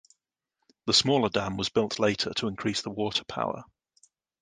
The smaller dam was built later to increase the water power.